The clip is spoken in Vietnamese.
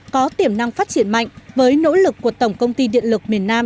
có tiềm năng phát triển mạnh với nỗ lực của tổng công ty điện lực miền nam